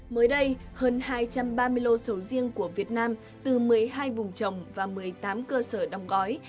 mới đây hơn hai trăm ba mươi lô sầu riêng của việt nam từ một mươi hai vùng trồng và một mươi tám cơ sở đóng gói